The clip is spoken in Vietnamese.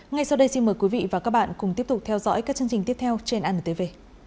ngay sau đây xin mời quý vị và các bạn cùng tiếp tục theo dõi các chương trình tiếp theo trên antv